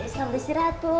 selamat siang ratu